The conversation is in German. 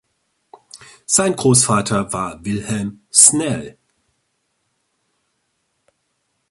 Sein Grossvater war Wilhelm Snell.